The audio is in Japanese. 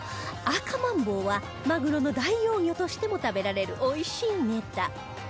アカマンボウはマグロの代用魚としても食べられるおいしいネタ